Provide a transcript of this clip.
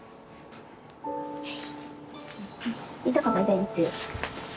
よし！